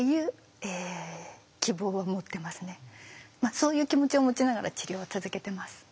そういう気持ちを持ちながら治療を続けてます。